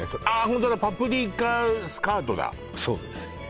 ホントだパプリカスカートだそうですよね